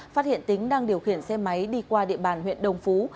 phát hiện tính đang điều khiển xe máy đi qua địa bàn huyện đồng phú